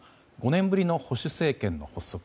５年ぶりの保守政権の発足。